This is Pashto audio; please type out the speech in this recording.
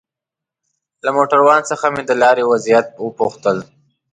له موټروان څخه مې د لارې وضعيت وپوښتل.